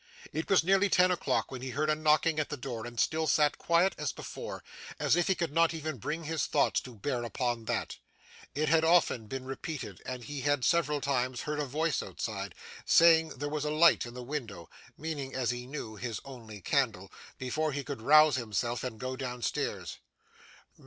It was nearly ten o'clock when he heard a knocking at the door, and still sat quiet as before, as if he could not even bring his thoughts to bear upon that. It had been often repeated, and he had, several times, heard a voice outside, saying there was a light in the window (meaning, as he knew, his own candle), before he could rouse himself and go downstairs.